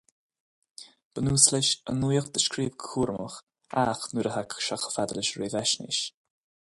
Ba nós leis an nuacht a scríobh go cúramach ach nuair a thagadh sé chomh fada leis an réamhaisnéis.